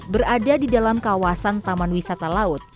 berada di dalam kawasan taman wisata laut